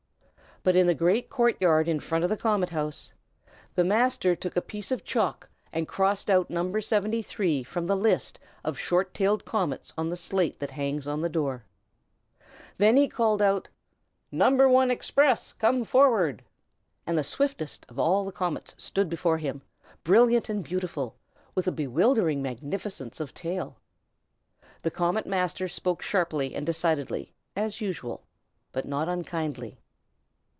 But in the great court yard in front of the Comet House, the Master took a piece of chalk, and crossed out No. 73 from the list of short tailed comets on the slate that hangs on the door. Then he called out, "No. 1 Express, come forward!" and the swiftest of all the comets stood before him, brilliant and beautiful, with a bewildering magnificence of tail. The Comet Master spoke sharply and decidedly, as usual, but not unkindly.